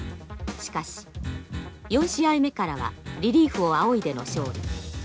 しかし４試合目からはリリーフを仰いでの勝利。